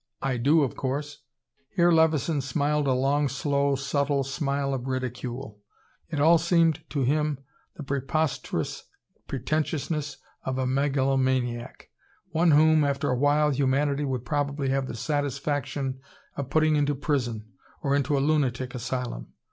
"I do, of course." Here Levison smiled a long, slow, subtle smile of ridicule. It all seemed to him the preposterous pretentiousness of a megalomaniac one whom, after a while, humanity would probably have the satisfaction of putting into prison, or into a lunatic asylum.